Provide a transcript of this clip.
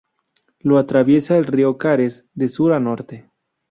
Lo atraviesa el río Cares de sur a norte.